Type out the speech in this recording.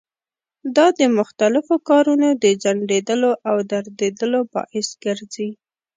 دا د مختلفو کارونو د ځنډېدلو او درېدلو باعث ګرځي.